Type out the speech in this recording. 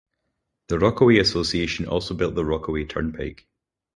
The Rockaway Association also built the Rockaway Turnpike.